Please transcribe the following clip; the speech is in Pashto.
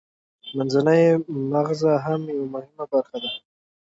منځنی مغزه هم یوه مهمه برخه ده